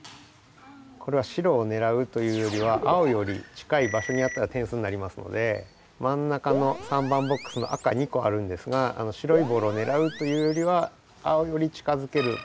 これは白をねらうというよりは青より近い場所にやったら点数になりますので真ん中の３番ボックスの赤２こあるんですがあの白いボールをねらうというよりは青より近づける場所をねらうっていうほうがいいかもしれないですね。